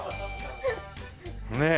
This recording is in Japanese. ねえ。